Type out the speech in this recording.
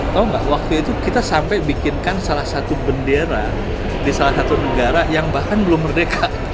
tahu nggak waktu itu kita sampai bikinkan salah satu bendera di salah satu negara yang bahkan belum merdeka